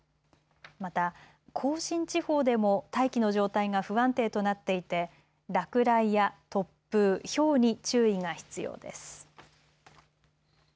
また甲信地方でも大気の状態が不安定となっていて落雷や突風、ひょうに注意が必要です。